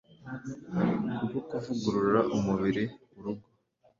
Kubw 'kuvugurura umubiri' urugo,